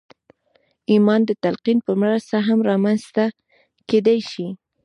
ایمان د تلقین په مرسته هم رامنځته کېدای شي